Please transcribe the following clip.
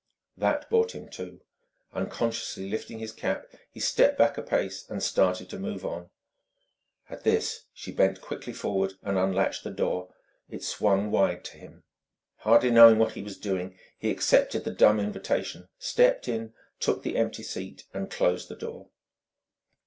That brought him to; unconsciously lifting his cap, he stepped back a pace and started to move on. At this, she bent quickly forward and unlatched the door. It swung wide to him. Hardly knowing what he was doing, he accepted the dumb invitation, stepped in, took the empty seat, and closed the door.